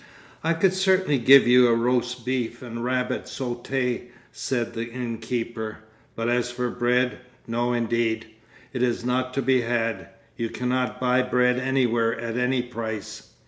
"I could certainly give you roast beef and rabbit sauté," said the innkeeper, "but as for bread, no indeed! it is not to be had; you cannot buy bread anywhere at any price."